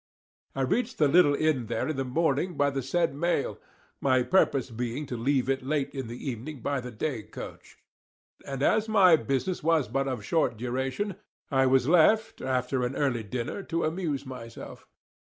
I reached the little inn there in the morning by the said mail, my purpose being to leave it late in the evening by the day coach; and as my business was but of short duration, I was left, after an early dinner, to amuse myself.